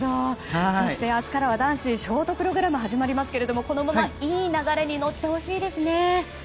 そして、明日からは男子ショートプログラムが始まりますがこのままいい流れに乗ってほしいですね。